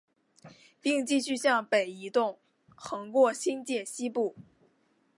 并继续向北移动横过新界西部。